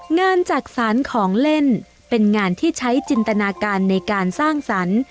จักษานของเล่นเป็นงานที่ใช้จินตนาการในการสร้างสรรค์